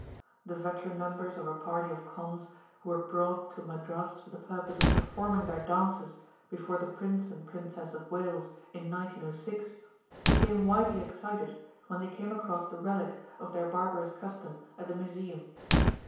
The veteran members of a party of Kondhs, who were brought to Madras for the purpose of performing their dances before the Prince and Princess of Wales in 1906, became widely excited when they came across the relic of their barbarous custom at the museum.